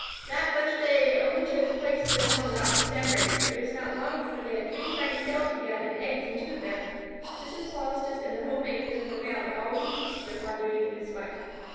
That first day they only chose the place for their home and got the stem ready, but it was not long before they had three tiny cells begun and eggs in two of them. Mrs. Polistes and the homemakers of her family always insisted upon doing in this way.